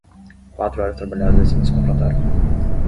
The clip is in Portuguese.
Quatro horas trabalhadas e nos confrontaram.